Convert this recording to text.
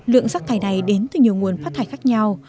lượng rác thải này đến từ nhiều nguồn phát thải khác nhau